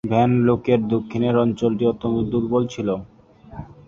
Van লেকের দক্ষিণের অঞ্চলটি অত্যন্ত দুর্বল ছিল।